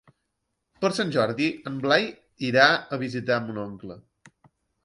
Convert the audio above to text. Per Sant Jordi en Blai irà a visitar mon oncle.